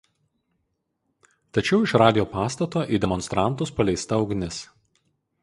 Tačiau iš radijo pastato į demonstrantus paleista ugnis.